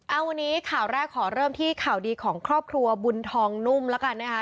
เอาวันนี้ข่าวแรกขอเริ่มที่ข่าวดีของครอบครัวบุญทองนุ่มแล้วกันนะคะ